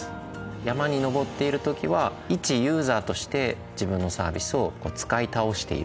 山に登っている時は１ユーザーとして自分のサービスを使いたおしている。